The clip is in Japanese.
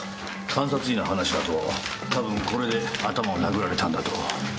監察医の話だとたぶんこれで頭を殴られたんだと。